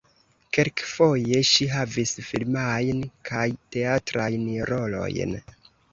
Kelkfoje ŝi havis filmajn kaj teatrajn rolojn.